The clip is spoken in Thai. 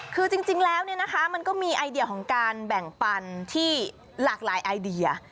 คือจริงแล้วมันก็มีไอเดียของการแบ่งปันที่หลากหลายไอเดีย